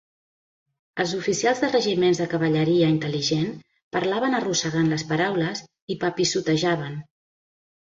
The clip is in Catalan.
Els oficials dels regiments de cavalleria intel·ligent parlaven arrossegant les paraules, i papissotejaven.